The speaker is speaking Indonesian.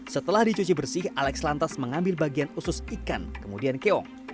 setelah dicuci bersih alex lantas mengambil bagian usus ikan kemudian keong